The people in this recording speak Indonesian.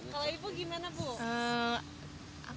kalau ibu gimana bu